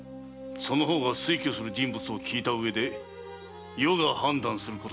その方が推挙する人物を聞いたうえで余が判断する。